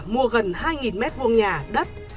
mua gần hai m hai nhà đất